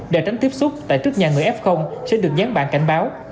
để tránh tiếp xúc tại trước nhà người f sẽ được dán bản cảnh báo